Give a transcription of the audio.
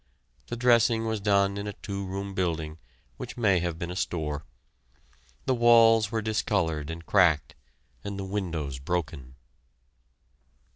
The dressing was done in a two room building which may have been a store. The walls were discolored and cracked, and the windows broken.